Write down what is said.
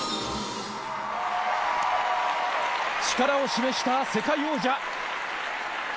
力を示した世界王者。